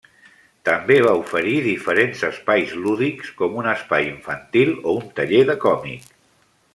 També va oferir diferents espais lúdics, com un espai infantil o un taller de còmic.